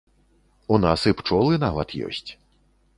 У нас і пчолы нават ёсць.